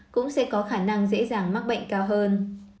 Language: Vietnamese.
cũng sẽ có khả năng dễ dàng mắc bệnh cao hơn